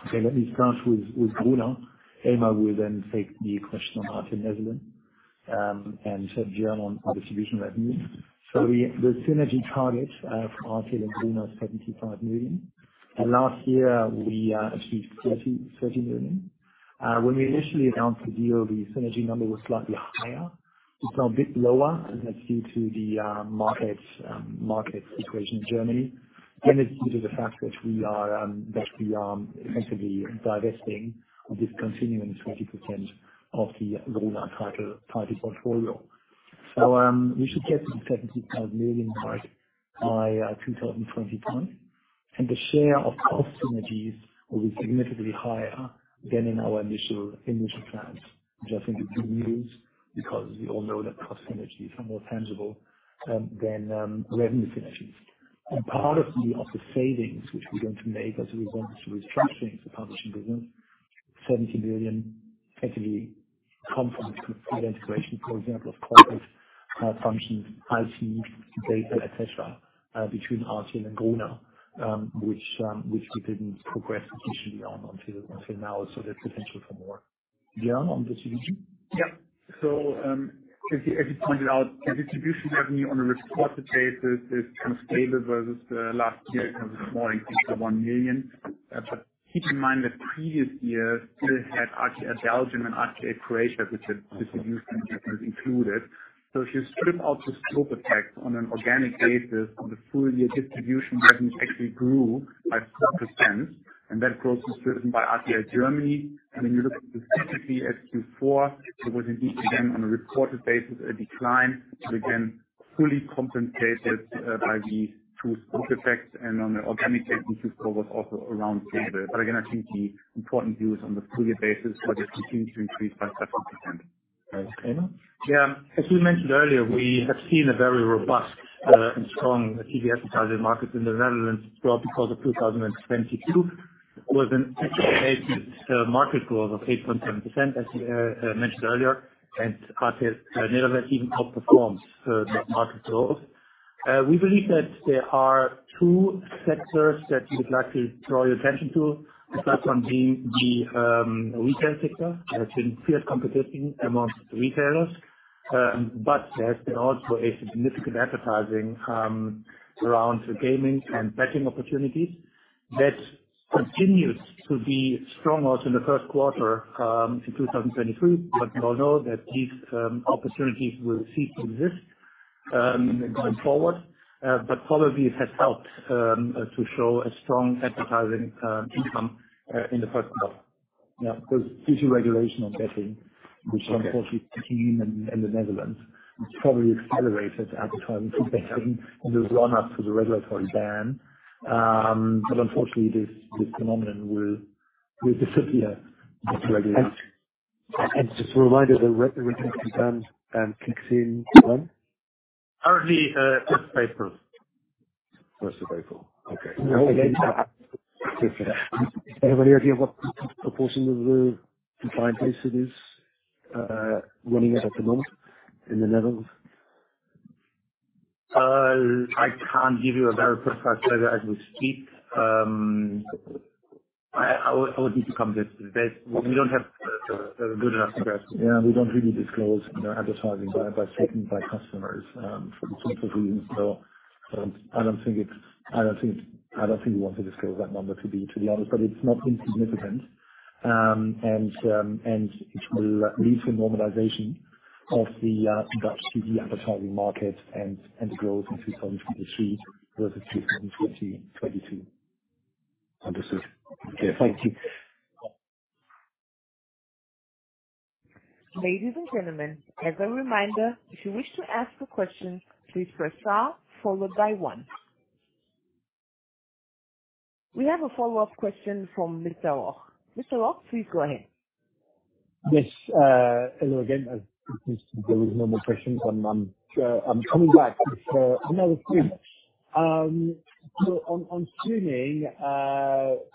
Okay, let me start with Gruner + Jahr. Emma will then take the question on RTL Nederland, and Jean on distribution revenue. The synergy target for RTL and Gruner + Jahr is 75 million. Last year we, excuse me, 30 million. When we initially announced the deal, the synergy number was slightly higher. It's now a bit lower, and that's due to the market situation in Germany. It's due to the fact that we are effectively divesting or discontinuing 20% of the Gruner + Jahr title portfolio. We should get to the 75 million mark by 2021. The share of cost synergies will be significantly higher than in our initial plans, which I think is good news, because we all know that cost synergies are more tangible, than revenue synergies. Part of the savings which we're going to make as we went through restructuring the publishing business, 70 million effectively come from integration, for example, of corporate functions, IT, data, et cetera, between RTL and Gruner + Jahr, which we didn't progress sufficiently on until now, so there's potential for more. Jan, on distribution? As you pointed out, the distribution revenue on a reported basis is kind of stable versus last year because it's more 18.1 million. Keep in mind that previous years still had RTL Belgium and RTL Croatia which had distribution revenues included. If you strip out the scope effects on an organic basis on the full year distribution revenue actually grew by 6%, and that growth is driven by RTL Germany. When you look specifically at Q4, there was indeed, again, on a reported basis, a decline. Again, fully compensated by the 2 scope effects, and on an organic basis, it was also around stable. Again, I think the important view is on the full year basis, where it continues to increase by 7%. Thanks. Elmar? As we mentioned earlier, we have seen a very robust and strong TV advertising market in the Netherlands throughout the course of 2022. It was an exceptional market growth of 8.7%, as we mentioned earlier, RTL Nederland even outperformed that market growth. We believe that there are two sectors that we would like to draw your attention to. The first one being the retail sector. There's been fierce competition amongst retailers, there's been also a significant advertising around the gaming and betting opportunities that continued to be strong out in the first quarter to 2023. We all know that these opportunities will cease to exist going forward. Probably it has helped to show a strong advertising income in the first quarter. Yeah. There's future regulation on betting- Okay. -which unfortunately came in the Netherlands. It's probably accelerated advertising for betting in the run-up to the regulatory ban. Unfortunately this phenomenon will disappear after regulation. Just a reminder, the re-restrictions ban, kicks in when? Currently, first of April. First of April. Okay. Any idea what proportion of the client base it is running at the moment in the Netherlands? I can't give you a very precise figure as we speak. I would need to come back to that. We don't have a good enough grasp. Yeah, we don't really disclose, you know, advertising by segment, by customers, for simplicity reasons. I don't think we want to disclose that number to be honest, but it's not insignificant. And it will lead to a normalization of the Dutch TV advertising market and growth in 2023 versus 2022. Understood. Okay. Thank you. Ladies and gentlemen, as a reminder, if you wish to ask a question, please press star followed by one. We have a follow-up question from Mr. Roch. Mr. Roch, please go ahead. Yes. Hello again. As it seems there is no more questions, I'm coming back with another three. On tuning,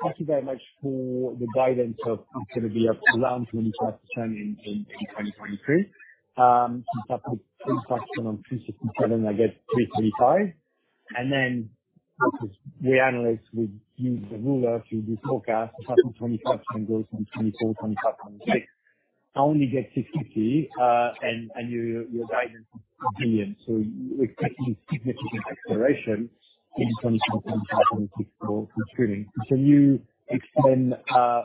thank you very much for the guidance of it's going to be up to around 25% in 2023. Since that's a full question on 267, I get 325. Because we analysts would use the ruler to do forecast, 25% goes from 2024, 2025, 2026. I only get 63, and your guidance is EUR billion. We're expecting a significant acceleration in 2024, 2025, 2026 for the tuning. Can you explain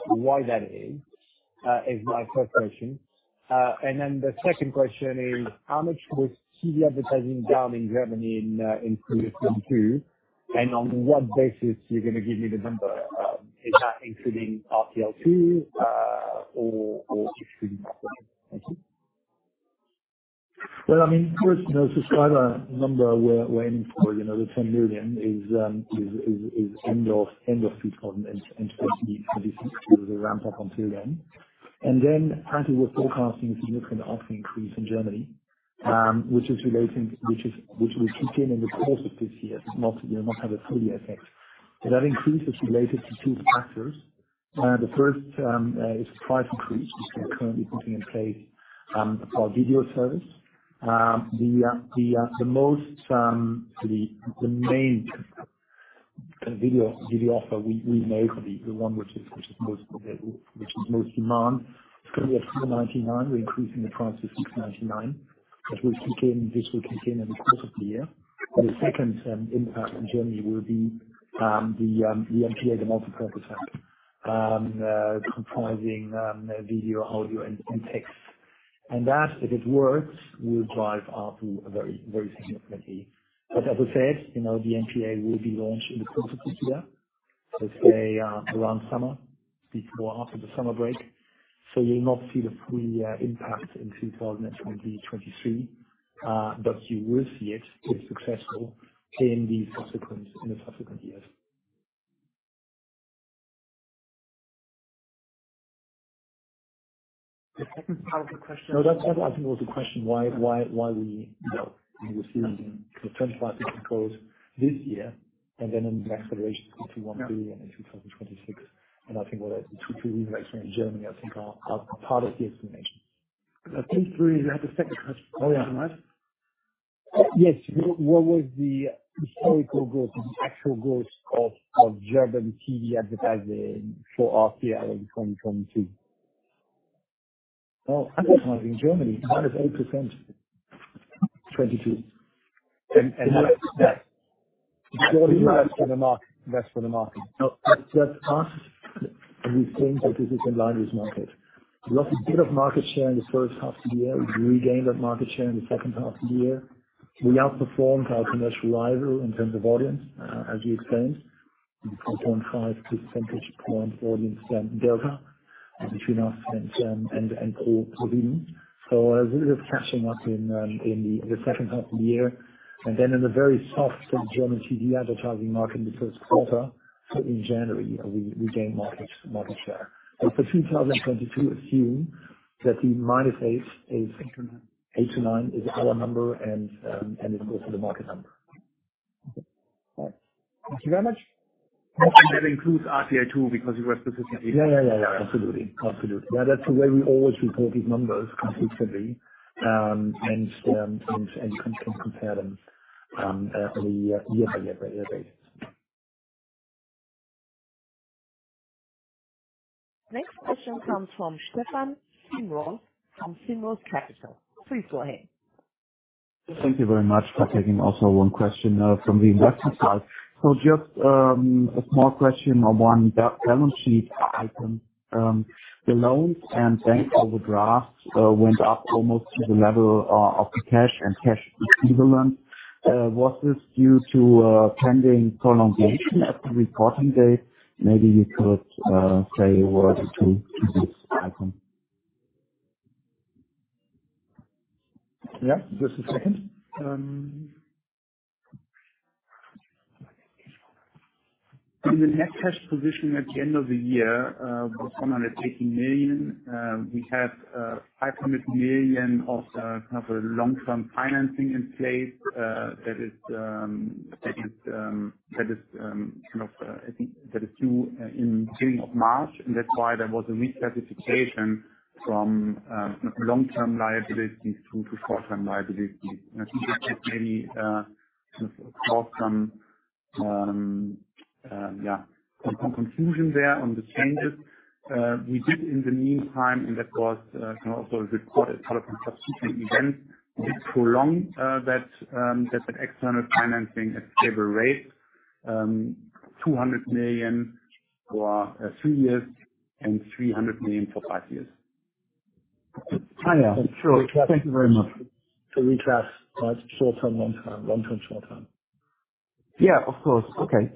why that is? Is my first question. The second question is how much was TV advertising down in Germany in 2022? On what basis you're gonna give me the number? Is that including RTLZWEI, or excluding that one? Thank you. Well, I mean, first, you know, subscriber number we're aiming for, you know, the 10 million is end of 2020. This is to ramp up until then. Then actually we're forecasting a significant ad increase in Germany, which will kick in in the course of this year, not, you know, not have a full year effect. That increase is related to two factors. The first is price increase, which we're currently putting in place for our video service. The main video offer we make, the one which is most demand, it's gonna be at 4.99. We're increasing the price to 6.99. That will kick in, this will kick in in the course of the year. The second impact in Germany will be the MPA, the multipurpose app, comprising video, audio, and text. That, if it works, will drive ARPU very, very significantly. As we said, you know, the MPA will be launched in the course of this year. Let's say, around summer, before or after the summer break. You'll not see the full impact in 2023, but you will see it, if successful, in the subsequent years. The second part of the question. No, that I think was the question why we, you know, we were seeing the 25% growth this year and then in the next iteration, 21 billion in 2026. I think what the two TV licenses in Germany, I think are part of the explanation. I think we have a second question. Oh, yeah. Yes. What was the historical growth and the actual growth of German TV advertising for RTL in 2022? Advertising in Germany, -8%, 2022. Less, yeah. Less for the market. Less for the market. No, that's us. We think that this is in line with market. We lost a bit of market share in the first half of the year. We regained that market share in the second half of the year. We outperformed our commercial rival in terms of audience, as you explained, 0.5 percentage point audience delta between us and ProSieben. A little bit of catching up in the second half of the year. In the very soft German TV advertising market in the first quarter, in January, we gained market share. For 2022, assume that the -8% to -9% is our number and also the market number. Okay. All right. Thank you very much. That includes RTL too, because you were specifically- Yeah, yeah, absolutely. Absolutely. Yeah, that's the way we always report these numbers consistently, and compare them at the year by year by year base. Next question comes from Stefan Finck from Finck Capital. Please go ahead. Thank you very much for taking also one question, from the investor side. Just a small question on one balance sheet item. The loans and bank overdraft went up almost to the level of the cash and cash equivalent. Was this due to pending prolongation at the reporting date? Maybe you could say a word to this item. Yeah. Just a second. In the net cash position at the end of the year, was 118 million. We have 500 million of kind of a long-term financing in place. That is, kind of, I think that is due in beginning of March, and that's why there was a reclassification from long-term liabilities to short-term liabilities. I think that just maybe, sort of, caused some, yeah, some confusion there on the changes. We did in the meantime, and that was, you know, sort of reported following subsequent events, did prolong that external financing at stable rate, 200 million for three years and 300 million for five years. Oh, yeah, sure. Thank you very much. We track short-term, long-term, short-term. Yeah, of course. Okay,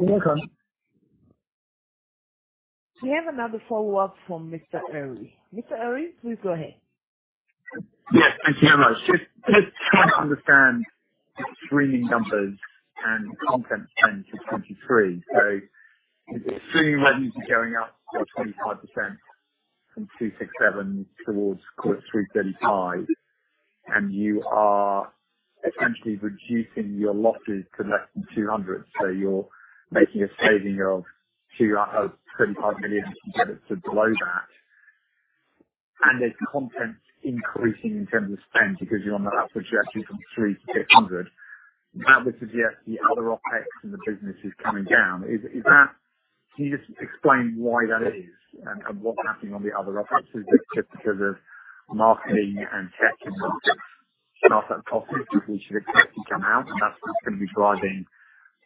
thanks. You're welcome. We have another follow-up from Mr. Eary. Mr. Eary, please go ahead. Yeah, thank you very much. Just trying to understand the streaming numbers and content spend for 2023. Streaming revenues are going up by 25% from 267 million towards 335 million. You are essentially reducing your losses to less than 200 million. You're making a saving of 25 million to get it to below that. There's content increasing in terms of spend because you're on the up trajectory from 300 million-600 million. That would suggest the other OpEx in the business is coming down. Can you just explain why that is and what's happening on the other OpEx? Is it just because of marketing and tech investments? Are that costs which we should expect to come out and that's what's gonna be driving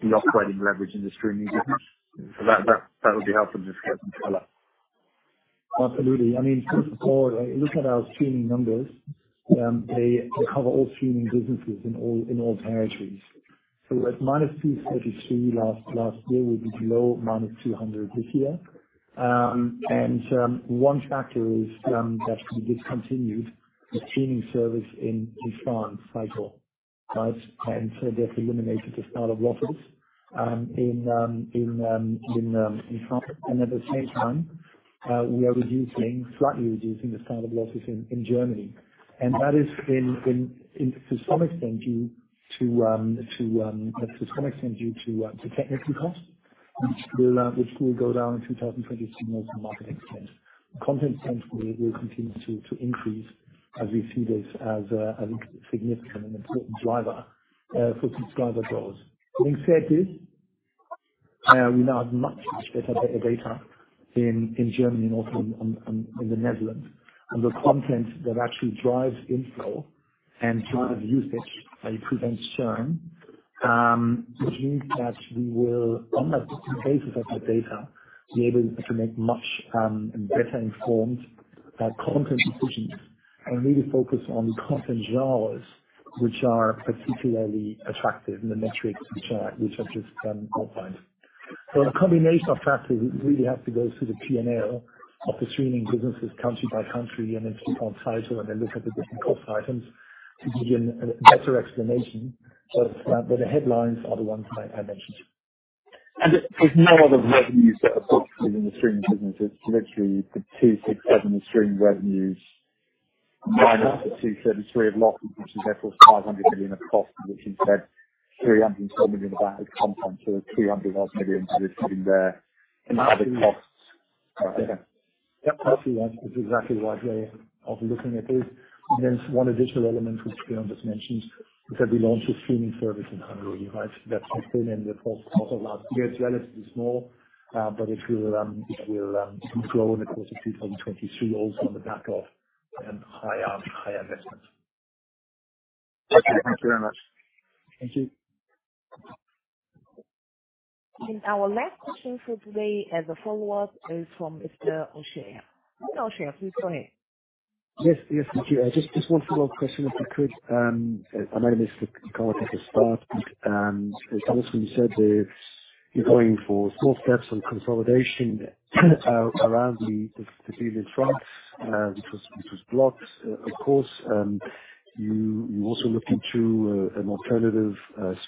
the operating leverage in the streaming business? That would be helpful just to get some color. Absolutely. I mean, first of all, look at our streaming numbers. They cover all streaming businesses in all territories. So at -233 million last year, we'll be below -200 million this year. One factor is that we discontinued the streaming service in France, Zive. Right? That eliminated a set of losses in France. At the same time, we are reducing, slightly reducing the set of losses in Germany. That is in to some extent due to technical costs which will go down in 2022 as a marketing expense. Content spend will continue to increase as a significant and important driver for subscriber growth. Having said this, we now have much better data in Germany and also in the Netherlands. The content that actually drives inflow and drives usage, prevents churn, which means that we will, on the basis of that data, be able to make much better informed. Our content decisions are really focused on content genres which are particularly attractive in the metrics which I've just outlined. The combination of factors, we really have to go through the P&L of the streaming businesses country by country and then on title and then look at the different cost items to give you a better explanation. The headlines are the ones I mentioned. There's no other revenues that are booked within the streaming businesses to literally the 267 million, the streaming revenues minus the 273 million of losses, which is therefore 500 million of costs, which you said 312 million of that is content. 300-odd million that is in there in other costs. Yeah. Yep. That's exactly right way of looking at it. One additional element which Pierre just mentioned is that we launched a streaming service in Hungary, right? That's in the fourth quarter last year. It's relatively small, but it will grow in the course of 2023 also on the back of high investments. Okay. Thank you very much. Thank you. Our last question for today as a follower is from Mr. O'Shea. Mr. O'Shea, please go ahead. Yes. Yes, thank you. I just one follow-up question, if I could. I know this could probably take a start. As Thomas you said that you're going for small steps on consolidation around the TV in France, which was blocked, of course. You also looked into an alternative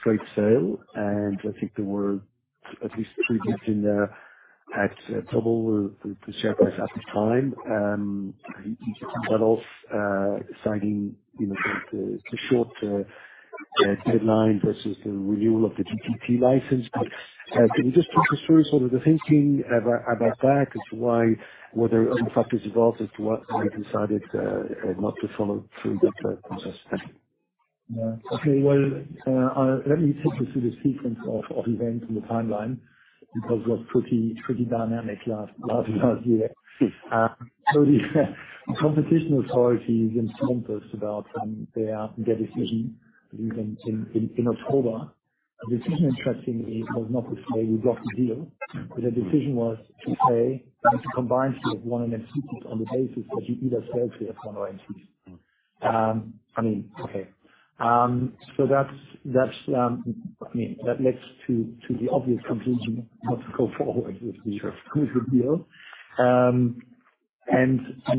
straight sale, and I think there were at least three bids in there at double the share price at the time. Each of these bids, citing, you know, the short deadline versus the renewal of the DTT license. Can you just talk us through sort of the thinking about that, as to why were there other factors involved as to why you decided not to follow through with that process? Thank you. Yeah. Okay. Well, let me take you through the sequence of events and the timeline because it was pretty dynamic last year. The competition authorities informed us about their decision in October. The decision, interestingly, was not to say we blocked the deal, but the decision was to say you have to combine with one of M6's on the basis that you either sell to one or M6. I mean, okay. That's, I mean, that leads to the obvious conclusion not to go forward with the- Sure. with the deal.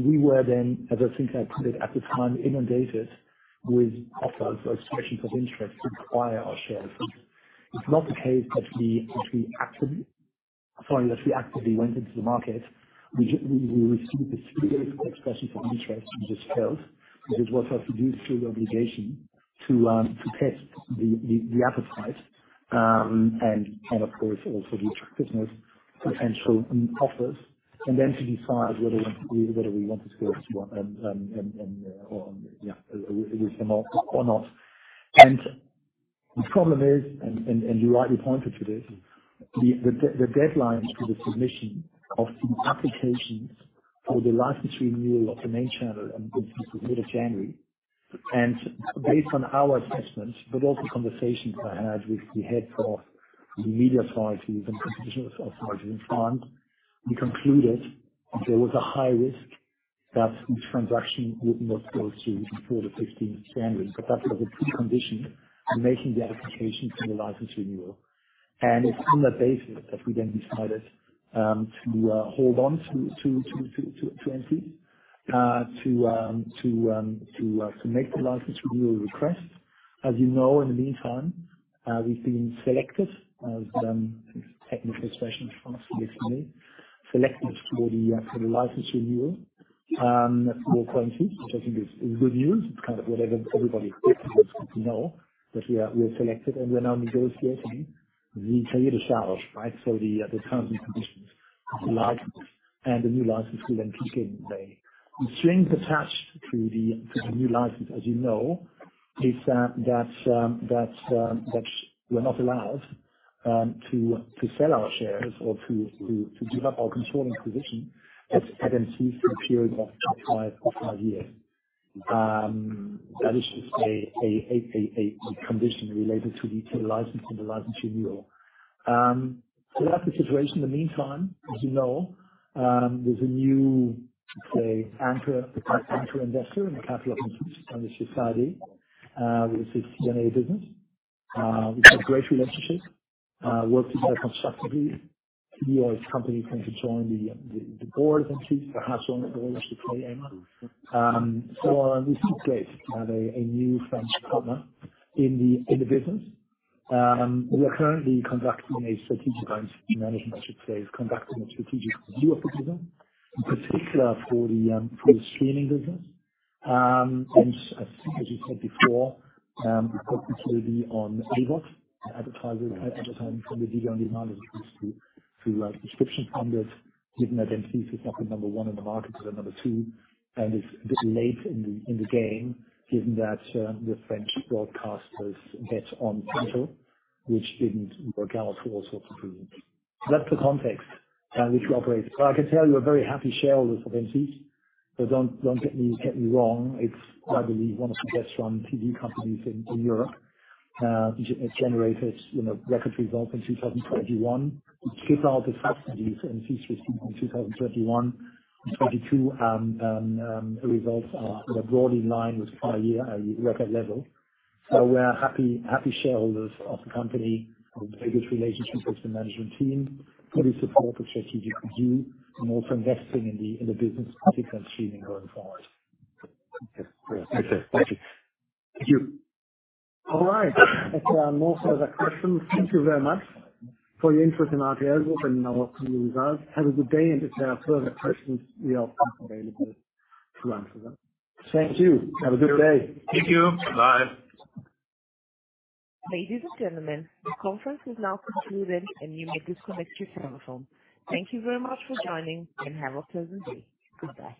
We were then, as I think I put it at the time, inundated with offers or expressions of interest to acquire our shares. It's not the case that we actively went into the market. We received a series of expressions of interest, which is fair, which is what I produce through the obligation to test the appetite, and of course also the attractiveness potential in offers and then to decide whether we want to go with them or not. The problem is, and you rightly pointed to this, the deadlines for the submission of the applications for the license renewal of the main channel and VOX was the fifth of January. Based on our assessments, but also conversations I had with the head of the media authorities and competition authorities in France, we concluded there was a high risk that the transaction would not go through before the 15th of January. That was a precondition to making the application for the license renewal. It's on that basis that we then decided to hold on to M6 to make the license renewal request. As you know, in the meantime, we've been selected as technical expression from ARCOM, selected for the license renewal for point two, which I think is good news. It's kind of what everybody expected us to know that we are selected and we are now negotiating the terms itself, right? The terms and conditions of the license and the new license will kick in today. The strings attached to the new license, as you know, is that we're not allowed to sell our shares or to give up our controlling position at M6 for a period of five years. That is just a condition related to the license and the license renewal. That's the situation. In the meantime, as you know, there's a new, let's say, anchor, potential investor in the capital structures on the society, which is CMA CGM. We have a great relationship, working very constructively. He or his company came to join the board, M6, perhaps on the board with Elmar Heggen. We see place a new French partner in the business. We are currently conducting a strategic review of the business, in particular for the streaming business. As you said before, the focus will be on AVOD, advertising from the video on demand as opposed to subscription funders, given that M6 is not the number one in the market, but the number two, and it's a bit late in the game, given that the French broadcasters bet on CANAL+, which didn't work out for all sorts of reasons. That's the context which we operate. I can tell you a very happy shareholder for M6. Don't get me wrong. It's, I believe, one of the best run TV companies in Europe. It generated, you know, record results in 2021. It shipped out its half year in features in 2021. In 2022, results are, you know, broadly in line with prior year, record level. We're happy shareholders of the company. Our biggest relationship is the management team, fully support the strategic review, and also investing in the business, particularly streaming going forward. Yes. Great. Okay. Thank you. Thank you. All right. If there are no further questions, thank you very much for your interest in RTL Group and our community results. Have a good day, and if there are further questions, we are available to answer them. Thank you. Have a good day. Thank you. Bye-bye. Ladies and gentlemen, the conference is now concluded, and you may disconnect your telephone. Thank you very much for joining, and have a pleasant day. Goodbye.